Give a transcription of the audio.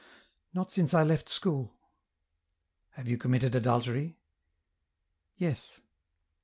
" Not since I left school." " Have you committed adultery ?"" Yes."